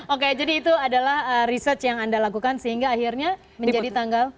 oke jadi itu adalah research yang anda lakukan sehingga akhirnya menjadi tanggal